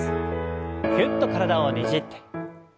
ぎゅっと体をねじって。